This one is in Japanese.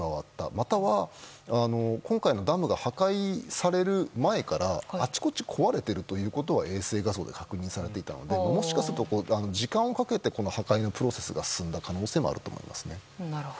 または今回のダムが破壊される前からあちこち壊れているということは衛星画像で確認されていたのでもしかすると、時間をかけて破壊のプロセスが進んだ可能性もあると思いますね。